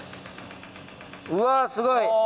うわぁすごい。